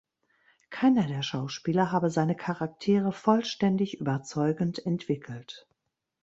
Keiner der Schauspieler habe seine Charaktere vollständig überzeugend entwickelt.